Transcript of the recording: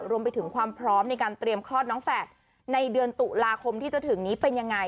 รวมไปถึงความพร้อมในการเตรียมคลอดน้องแฝดในเดือนตุลาคมที่จะถึงนี้เป็นยังไง